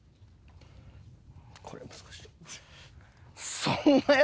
これ難しい。